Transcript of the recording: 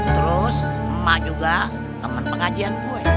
terus emak juga temen pengajian gue